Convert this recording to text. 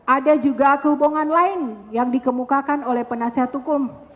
ada juga kehubungan lain yang dikemukakan oleh penasihat hukum